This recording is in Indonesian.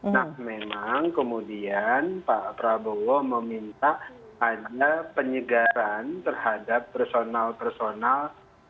nah memang kemudian pak prabowo meminta ada penyegaran terhadap personal personal